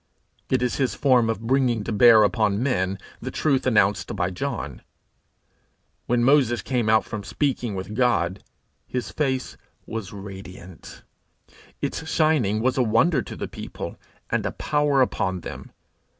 It is his form of bringing to bear upon men the truth announced by John. When Moses came out from speaking with God, his face was radiant; its shining was a wonder to the people, and a power upon them.